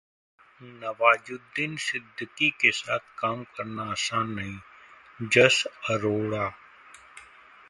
नवाजुद्दीन सिद्दीकी के साथ काम करना आसान नहीं: जस अरोड़ा